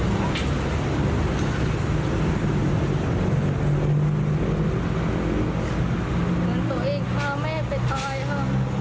เหมือนตัวเองพาแม่ไปตายค่ะ